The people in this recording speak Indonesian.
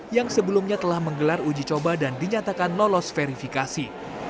yang sebelumnya telah menggelar uji coba dan dinyatakan lolos verifikasi